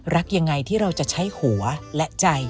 รักยังไงที่เราจะใช้หัวและใจ